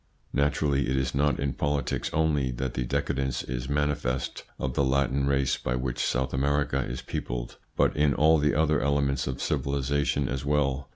Naturally, it is not in politics only that the decadence is manifest of the Latin race by which South America is peopled, but in all the other elements of civilisation as well.